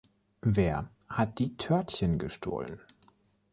Wer hat die Törtchen gestohlen?